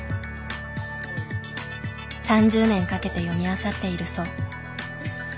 ３０年かけて読みあさっているそう。